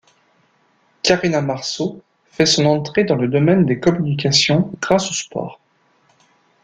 Karina Marceau fait son entrée dans le domaine des communications grâce au sport.